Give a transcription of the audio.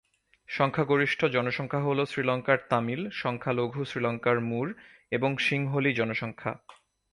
সংখ্যাগরিষ্ঠ জনসংখ্যা হল শ্রীলঙ্কার তামিল, সংখ্যালঘু শ্রীলঙ্কার মুর এবং সিংহলি জনসংখ্যা।